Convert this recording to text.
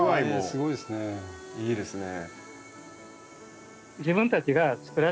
すごいですね。